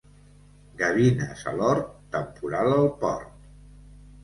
Gavines a l'hort, temporal al port.